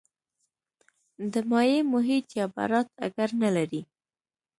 د مایع محیط یا براټ اګر نه لري.